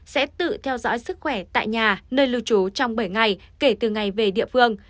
sẽ tự theo dõi sức khỏe tại nhà nơi lưu trú trong bảy ngày kể từ ngày về địa phương